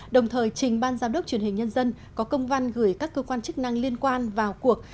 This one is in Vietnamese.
đồng thời trình ban giám đốc truyền hình nhân dân có công văn gửi các cơ quan chức năng liên quan vào cuộc